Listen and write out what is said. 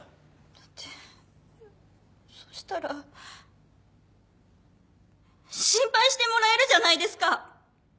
だってそしたら心配してもらえるじゃないですか。